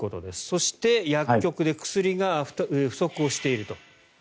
そして、薬局で薬が不足していると。